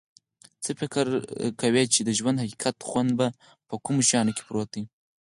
څه فکر کویچې د ژوند حقیقي خوند په کومو شیانو کې پروت ده